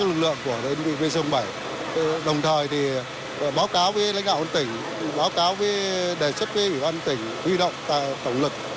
báo cáo với lãnh đạo quân tỉnh báo cáo với đề chất quân tỉnh huy động tổng lực